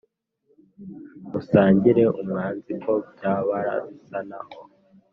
musangire umwanzi ko byabarasanaho ?